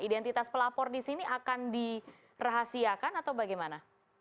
identitas pelapor di sini akan dirahasiakan atau bagaimana